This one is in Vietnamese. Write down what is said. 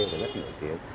rất là nhiều tiếng